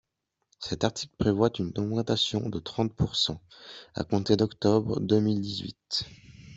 Cet article prévoit une augmentation de trente pourcent, à compter d’octobre deux mille dix-huit.